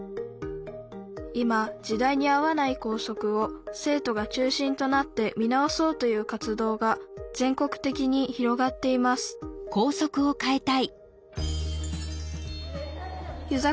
今時代に合わない校則を生徒が中心となって見直そうという活動が全国的に広がっています遊佐